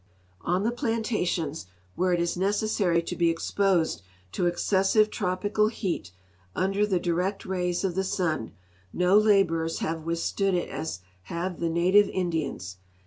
On the plantations, where it is necessary to be exposed to excessive tropical heat under the direct ravs of the sun, no laborers have withstood it as have the native Indians.